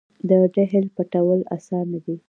د ډهل پټول اسانه دي .